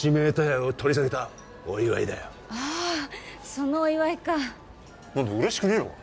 そのお祝いか何だ嬉しくねえのか？